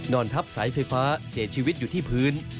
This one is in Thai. ทับสายไฟฟ้าเสียชีวิตอยู่ที่พื้น